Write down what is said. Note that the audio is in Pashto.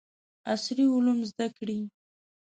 عصري علوم زده کړي.